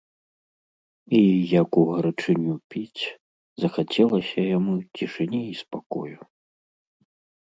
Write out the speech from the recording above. І, як у гарачыню піць, захацелася яму цішыні і спакою.